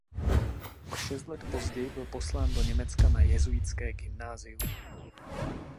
O šest let později byl poslán do Německa na jezuitské gymnázium.